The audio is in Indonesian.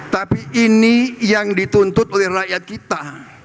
tapi ini yang dituntut oleh rakyat kita